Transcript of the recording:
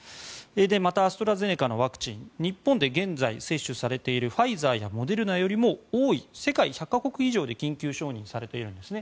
また、アストラゼネカのワクチン日本で現在接種されているファイザーやモデルナよりも多い世界１００か国以上で緊急承認されているんですね。